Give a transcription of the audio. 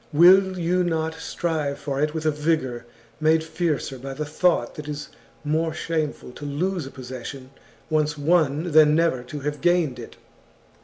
Will you not strive for it with a vigour made fiercer by the thought that it is more shameful to lose a possession once won than never to have gained it.